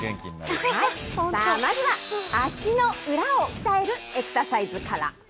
さあ、まずは足の裏を鍛えるエクササイズから。